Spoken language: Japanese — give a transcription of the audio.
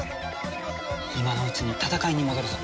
今のうちに戦いに戻るぞ。